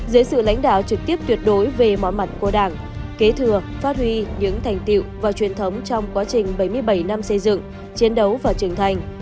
dưới sự lãnh đạo trực tiếp tuyệt đối về mọi mặt của đảng kế thừa phát huy những thành tiệu và truyền thống trong quá trình bảy mươi bảy năm xây dựng chiến đấu và trưởng thành